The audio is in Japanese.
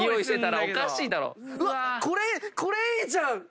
これいいじゃん！